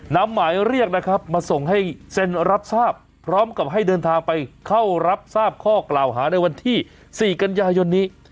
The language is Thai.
หมายเรียกนะครับมาส่งให้เซ็นรับทราบพร้อมกับให้เดินทางไปเข้ารับทราบข้อกล่าวหาในวันที่๔กันยายนนี้